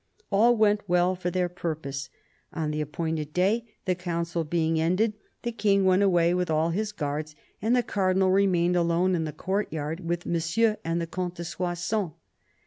All went well for their purpose. On the appointed day, " the council being ended, the King went away with all his guards, and the Cardinal remained alone in the courtyard with Monsieur and the Comte de Soissons.